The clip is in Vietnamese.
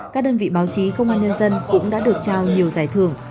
các đơn vị báo chí công an nhân dân cũng đã được trao nhiều giải thưởng